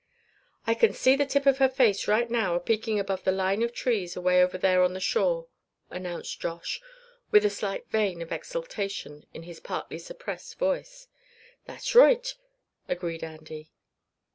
"I c'n see the tip of her face right now, apeekin' above the line of trees away over there on the shore," announced Josh, with a slight vein of exultation in his partly suppressed voice. "That's roight!" agreed Andy.